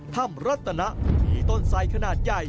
รัตนะมีต้นไสขนาดใหญ่